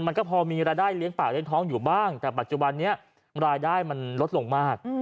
มันก็พอมีรายได้เลี้ยงปากเลี้ยท้องอยู่บ้างแต่ปัจจุบันนี้รายได้มันลดลงมาก